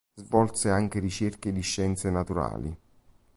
Svolse anche ricerche di scienze naturali.